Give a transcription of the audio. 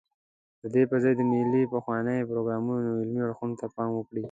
ددې پرځای د ملي پخلاينې پروګرام عملي اړخونو ته پام وکړي.